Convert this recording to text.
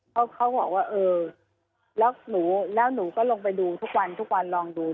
เพราะเขาบอกว่าเออแล้วหนูก็ลงไปดูทุกวันทุกวันลองดู